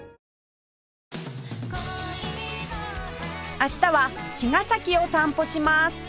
明日は茅ヶ崎を散歩します